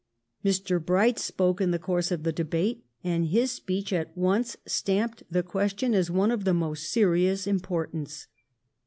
Mr. Bright spoke in the course of the debate, and his speech at once stamped the question as one of the most serious importance.